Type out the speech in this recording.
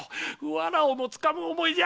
藁をもつかむ思いじゃ。